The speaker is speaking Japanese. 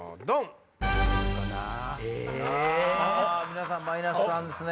皆さんマイナス３ですね。